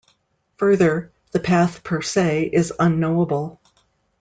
Further, the path "per se" is unknowable.